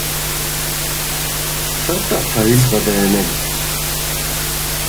Zertan zabiltzate hemen?